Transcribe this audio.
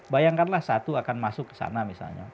bayangkanlah satu akan masuk kesana misalnya